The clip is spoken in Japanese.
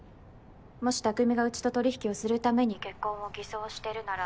もし匠がうちと取り引きをするために結婚を偽装してるなら。